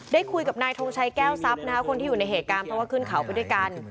ได้คุยกับนายทงชัยแก้วทรัพย์นะคะคนที่อยู่ในเหตุการณ์เพราะว่าขึ้นเขาไปด้วยกัน